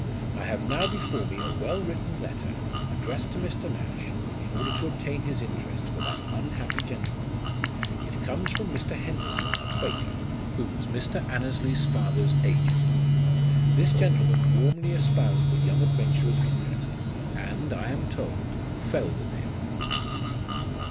I have now before me a well written letter, addressed to Mr. Nash, in order to obtain his interest for that unhappy gentleman : it comes from Mr. Henderson, a quaker, who was Mr. Annesley's father's agent. This gentleman warmly espoused the young adventurer's interest, and, I am told, fell with him.